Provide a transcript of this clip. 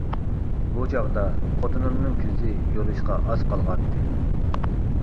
بۇ چاغدا خوتۇنۇمنىڭ كۆزى يورۇشقا ئاز قالغانىدى.